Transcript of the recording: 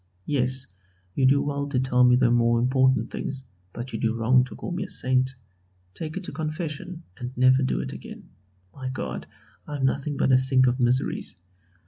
Yes, you do well to tell me the more important things, but you do wrong to call me a Saint. Take it to confession, and never do it again. My God! I am nothing but a sink of miseries.